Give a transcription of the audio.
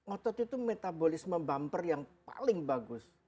otot itu metabolisme bumper yang paling bagus